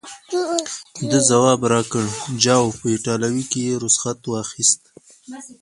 ده ځواب راکړ: چاو، په ایټالوي کې یې رخصت واخیست.